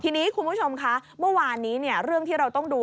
ทีนี้คุณผู้ชมคะเมื่อวานนี้เรื่องที่เราต้องดู